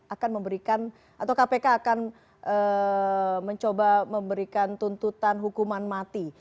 akan memberikan atau kpk akan mencoba memberikan tuntutan hukuman mati